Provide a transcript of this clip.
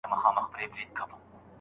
د تجلیلولو لپاره هیڅ ډول مراسم نه لري